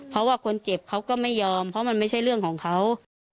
เพราะว่าคนเจ็บเขาก็ไม่ยอมเพราะมันไม่ใช่เรื่องของเขา